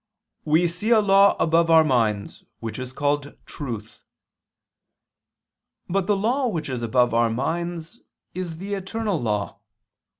xxx): "We see a law above our minds, which is called truth." But the law which is above our minds is the eternal law.